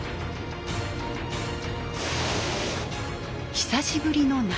久しぶりの凪。